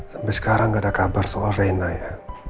sampai sekarang gak ada kabar soal rena ya